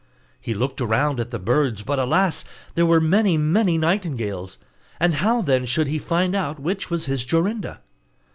He looked around at the birds, but alas! there were many, many nightingales, and how then should he find out which was his Jorinda?